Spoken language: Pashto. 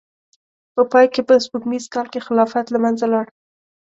په پای کې په سپوږمیز کال کې خلافت له منځه لاړ.